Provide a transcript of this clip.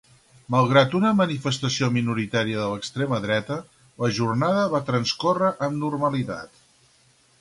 Malgrat una manifestació minoritària de l'extrema dreta, la jornada va transcórrer amb normalitat.